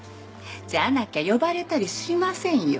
じゃなきゃ呼ばれたりしませんよ。